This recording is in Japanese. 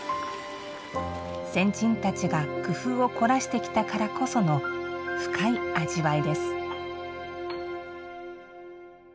先人たちが工夫を凝らしてきたからこその深い味わいです。